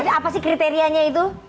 jadi apa sih kriterianya itu